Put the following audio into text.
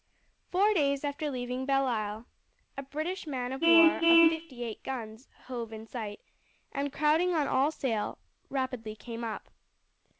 Four days after leaving Belleisle a British man of war of fifty eight guns hove in sight, and crowding on all sail rapidly came up.